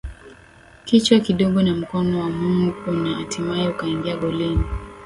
Kichwa kidogo na mkono wa Mung una hatimae ukaingia golini